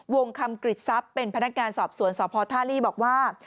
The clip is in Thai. วงคำกริจทรัพย์เป็นพนักงานสอบสวนสพท่าลี่บอกว่า